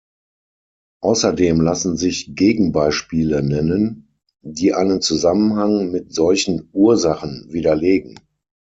Außerdem lassen sich Gegenbeispiele nennen, die einen Zusammenhang mit solchen „Ursachen“ widerlegen.